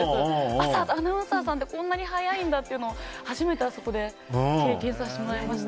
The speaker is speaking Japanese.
朝、アナウンサーさんってこんなに早いんだっていうのを初めてあそこで経験させてもらいました。